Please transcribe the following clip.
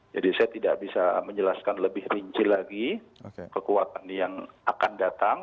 jadi saya tidak bisa menjelaskan lebih rinci lagi kekuatan yang akan datang